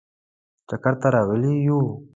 چکر ته راغلي یو.